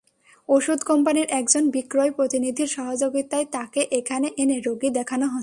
ওষুধ কোম্পানির একজন বিক্রয় প্রতিনিধির সহযোগিতায় তাঁকে এখানে এনে রোগী দেখানো হচ্ছে।